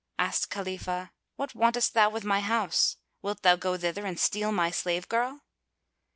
Asked Khalifah, "What wantest thou with my house? Wilt thou go thither and steal my slave girl?"